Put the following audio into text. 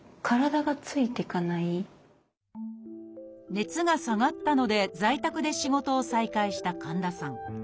熱が下がったので在宅で仕事を再開した神田さん。